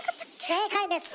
正解です。